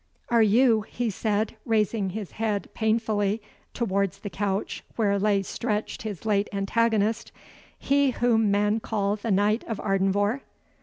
"Are you," he said, raising his head painfully towards the couch where lay stretched his late antagonist, "he whom men call the Knight of Ardenvohr?"